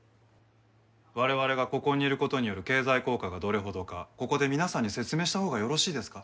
我々がここにいる事による経済効果がどれほどかここで皆さんに説明したほうがよろしいですか？